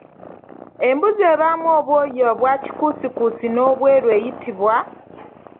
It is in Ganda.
Embuzi ebaamu obwoya obwa kikuusikuusi n'obweru eyitibwa?